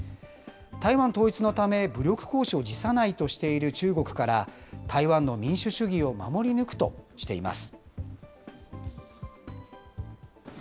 台湾統一のため武力行使を辞さないとしている中国から、台湾の民主主義を守りぬくとしています。